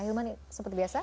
akhirnya seperti biasa